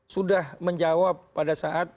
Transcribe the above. sudah menjawab pada saat